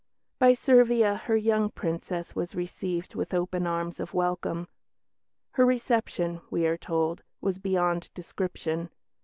By Servia her young Princess was received with open arms of welcome. "Her reception," we are told, "was beyond description.